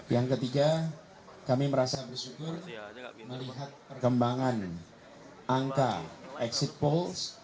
yang ketiga kami merasa bersyukur melihat perkembangan angka exit polls